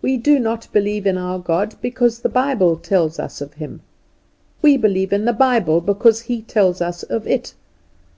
We do not believe in our God because the Bible tells us of Him. We believe in the Bible because He tells us of it.